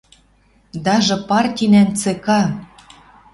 Даже партинӓн Цека.